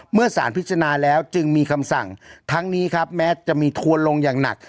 เมื่อสารพิจารณาแล้วจึงมีคำสั่งทั้งนี้ครับแม้จะมีทัวร์ลงอย่างหนัก